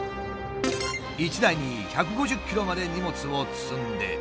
１台に１５０ｋｇまで荷物を積んで。